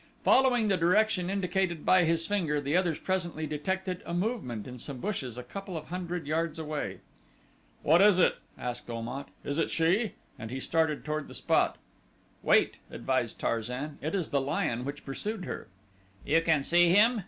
Following the direction indicated by his finger, the others presently detected a movement in some bushes a couple of hundred yards away. "What is it?" asked Om at. "It is she?" and he started toward the spot. "Wait," advised Tarzan. "It is the lion which pursued her." "You can see him?"